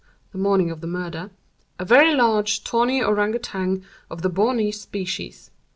_ (the morning of the murder),owner _a very large, tawny Ourang Outang of the Bornese species.